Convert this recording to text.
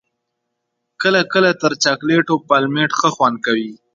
کله کله تر چاکلېټو پلمېټ ښه خوند کوي.